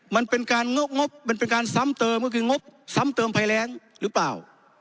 มันเป็นการงบงบมันเป็นการซ้ำเติมก็คืองบซ้ำเติมภัยแรงหรือเปล่า